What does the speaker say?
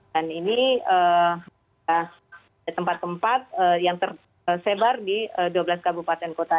dan ini tempat tempat yang tersebar di dua belas kabupaten kota